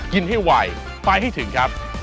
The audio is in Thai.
กินให้ไวไปให้ถึงครับ